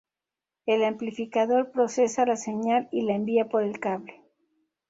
El amplificador procesa la señal y la envía por el cable.